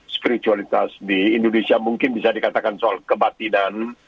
spiritualitas di indonesia mungkin bisa dikatakan soal kebatinan